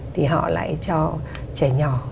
thì họ lại cho trẻ nhỏ